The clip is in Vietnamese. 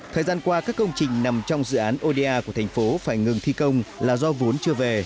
thời gian qua các công trình nằm trong dự án oda của thành phố phải ngừng thi công là do vốn chưa về